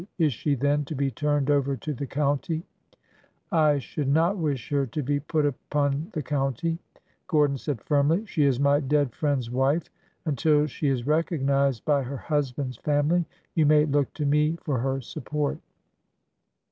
Is she then to be turned over to the county ?" I should not wish her to be put upon the county," Gordon said firmly. She is my dead friend's wife. Until she is recognized by her husband's family, you may look to me for her support."